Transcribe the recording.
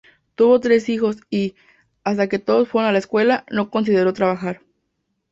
Tuvo tres hijos y, hasta que todos fueron a la escuela, no consideró trabajar.